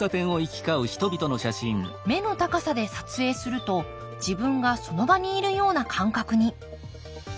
目の高さで撮影すると自分がその場にいるような感覚に。